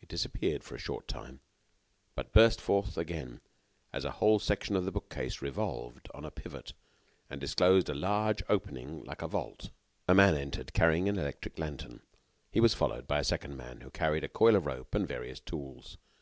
It disappeared for a short time, but burst forth again as a whole section of the bookcase revolved on a pivot and disclosed a large opening like a vault. A man entered, carrying an electric lantern. He was followed by a second man, who carried a coil of rope and various tools.